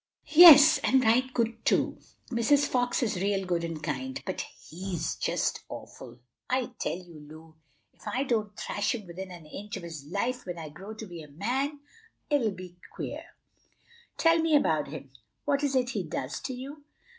"Yes; and right good too. Mrs. Fox is real good and kind; but he's just awful! I tell you, Lu, if I don't thrash him within an inch of his life when I grow to be a man, it'll be queer." "Tell me about him! what is it he does to you?"